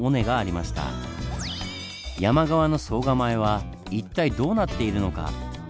山側の総構は一体どうなっているのか。